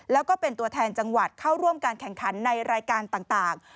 แล้วก็เป็นตัวแทนจังหวัดเข้าร่วมการแข่งขันในรายการต่าง